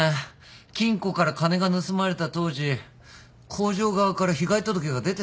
金庫から金が盗まれた当時工場側から被害届が出てないんですよ。